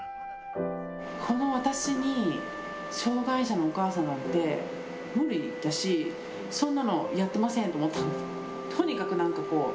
この私に障がい者のお母さんなんて、無理だし、そんなのやってませんと思った。